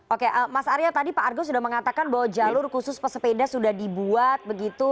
oke mas arya tadi pak argo sudah mengatakan bahwa jalur khusus pesepeda sudah dibuat begitu